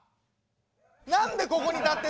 何でここに立ってるんだよ。